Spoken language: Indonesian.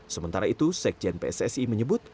sementara itu sekjen pssi menyebut